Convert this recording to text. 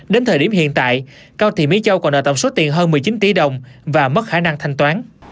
đến thời điểm hiện tại cao thị mỹ châu còn nợ tổng số tiền hơn một mươi chín tỷ đồng và mất khả năng thanh toán